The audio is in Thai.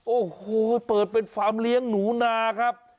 โอ้โหเปิดเป็นฟาร์มเลี้ยงหนูนาครับ